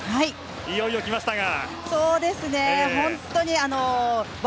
いよいよきましたが。